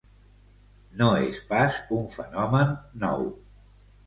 No és pas un fenomen nou.